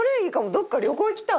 どこか旅行行きたい。